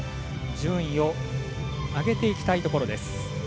順位を上げていきたいところです。